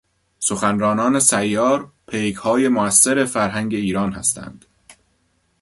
سخنرانان سیار پیکهای موثر فرهنگ ایران هستند.